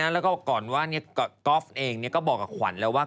แล้วก็ก่อนว่าก๊อฟเองก็บอกกับขวัญแล้วว่า